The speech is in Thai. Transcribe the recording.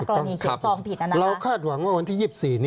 กรณีเขียนซองผิดนั้นนะคะถูกต้องเราคาดหวังว่าวันที่๒๔